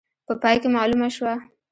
په پای کې معلومه شول.